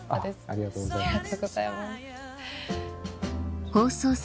ありがとうございます。